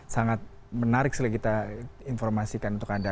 sangat menarik sekali kita informasikan untuk anda